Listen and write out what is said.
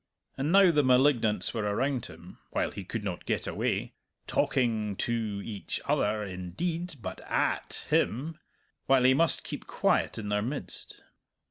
And now the malignants were around him (while he could not get away) talking to each other, indeed, but at him, while he must keep quiet in their midst.